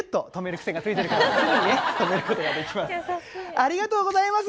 「ありがとうございます。